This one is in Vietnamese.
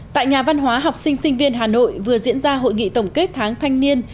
tại nhà văn hóa học sinh sinh viên hà nội vừa diễn ra hội nghị tổng kết tháng thanh niên